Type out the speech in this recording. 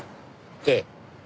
ええ。